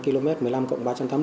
km một mươi năm cộng ba trăm tám mươi